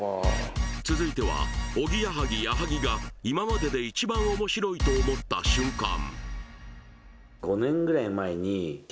続いてはおぎやはぎ・矢作が今までで一番面白いと思った瞬間